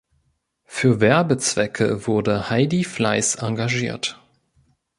Für Werbezwecke wurde Heidi Fleiss engagiert.